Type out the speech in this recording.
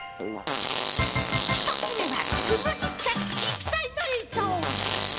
１つ目はつむぎちゃん１歳の映像。